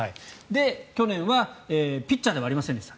去年はピッチャーではありませんでした